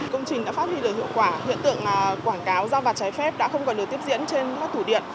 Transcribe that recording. công trình đã phát huy được hiệu quả hiện tượng quảng cáo giao bạt trái phép đã không còn được tiếp diễn trên các thủ điện